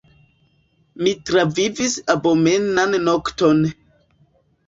Mi travivis abomenan nokton.